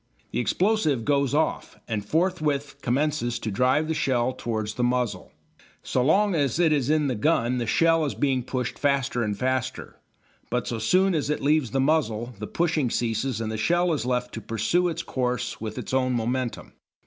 The explosive "goes off" and forthwith commences to drive the shell towards the muzzle. So long as it is in the gun the shell is being pushed faster and faster, but so soon as it leaves the muzzle the pushing ceases and the shell is left to pursue its course with its own momentum.